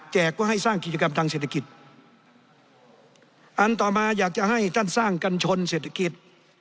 กว่าให้สร้างกิจกรรมทางเศรษฐกิจอันต่อมาอยากจะให้ท่านสร้างกัญชนเศรษฐกิจ